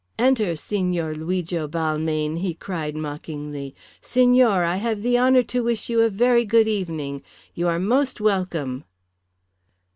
"Enter, Signor Luigo Balmayne," he cried mockingly. "Signor, I have the honour to wish you a very good evening. You are most welcome."